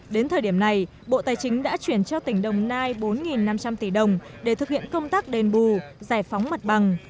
đến thời điểm này bộ tài chính đã chuyển cho tỉnh đồng nai bốn năm trăm linh tỷ đồng để thực hiện công tác đền bù giải phóng mặt bằng